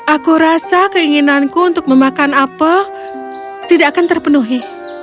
aku rasa keinginanku untuk memakan apel tidak akan terpenuhi